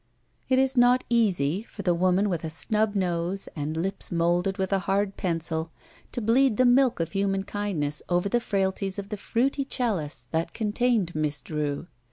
It is not easy for the woman with a snub nose and lips molded with a hard pencil to bleed the milk of human kindness ov^ the frailties of the fruity chalice that contained Miss Drew.